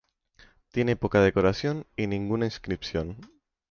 Tiene poca decoración y ninguna inscripción.